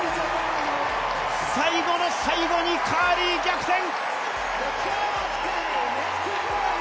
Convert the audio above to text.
最後の最後にカーリー逆転。